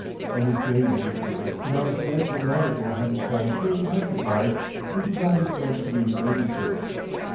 Many failures occurred and our financial manager had his time fully occupied in providing funds to meet emergencies.